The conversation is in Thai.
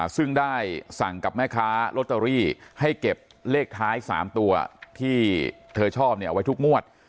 ซึ่งได้สั่งกับแม่ค้าลอตเตอรี่ให้เก็บเลขท้าย๓ตัวที่เธอชอบเอาไว้ทุกงวด